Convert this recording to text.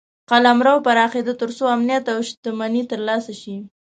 قلمرو پراخېده تر څو امنیت او شتمني ترلاسه شي.